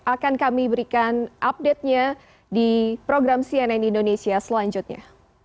akan kami berikan update nya di program cnn indonesia selanjutnya